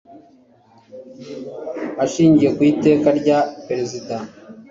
ashingiye ku iteka rya perezida